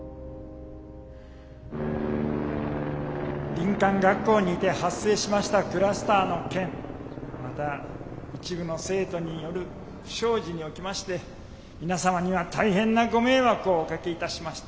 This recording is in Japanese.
林間学校にて発生しましたクラスターの件また一部の生徒による不祥事におきまして皆様には大変なご迷惑をおかけいたしました。